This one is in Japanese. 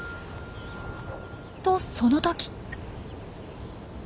とその時。